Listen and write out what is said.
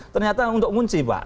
ternyata untuk ngunci pak